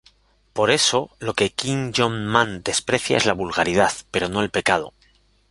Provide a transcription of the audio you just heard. Por eso lo que Kim Yong-man desprecia es la vulgaridad, pero no el pecado.